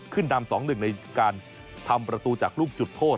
ขึ้นดามสองหนึ่งในการทำประตูจากลูกจุดโทษ